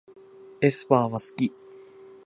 aespa すき